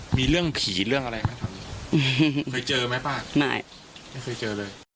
โอ้มีเรื่องผีเรื่องอะไรฮะเธอเคยเจอมั้ยป่าวไม่ไม่เคยเจอ